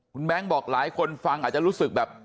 คุณแบงค์บอกหลายคนฟังอาจจะรู้สึกแบบ